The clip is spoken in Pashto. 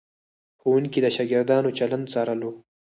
ښوونکي د شاګردانو چلند څارلو.